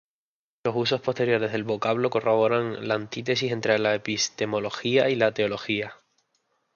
Los usos posteriores del vocablo corroboran la antítesis entre epistemología y teología.